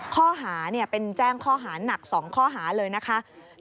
ข้อหาเป็นแจ้งข้อหาหนัก๒ข้อหาเลยนะคะ